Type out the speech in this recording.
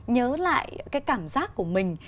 nhớ lại cái cảm giác của mình